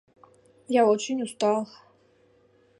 Я очень устал.